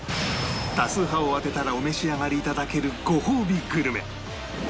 多数派を当てたらお召し上がり頂けるごほうびグルメ